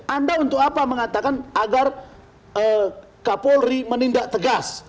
anda untuk apa mengatakan agar kapolri menindak tegas